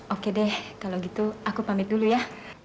oke deh kalau gitu aku pamit dulu ya